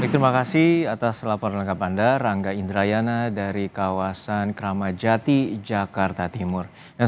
terima kasih atas laporan lengkap anda rangga indrayana dari kawasan kramajati jakarta timur